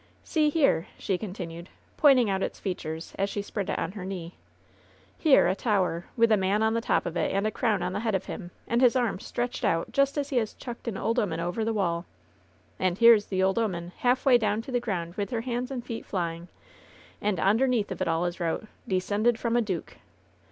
^^See here," she continued, pointing out its features as she spread it on her knee. "Here a tower, with a man on the top of it and a crown on the head of him, and his arms stretched out just as he has chucked an old 'oman over the wall ! And here's the old 'oman halfway down to the ground with her hands and feet flying. And ondemeath of it all is wrote, 'Descended from a duke.'